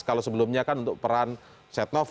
kalau sebelumnya kan untuk peran setnov